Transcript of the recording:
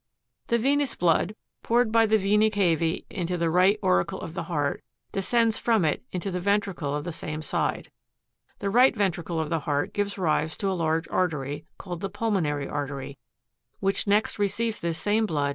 35. The venous blood, poured by the vence cava? into the right auricle of the heart, descends from it into the ventricle of the same side. 36. The right ventricle of the heart gives rise to a large artery, called the jtulmonggy artery, which next receives this same blood, and carries it into the lungs.